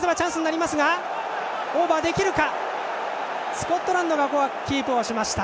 スコットランドがキープをしました。